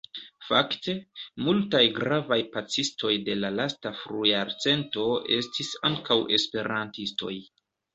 Fakte, multaj gravaj pacistoj de la lasta frujarcento estis ankaŭ esperantistoj.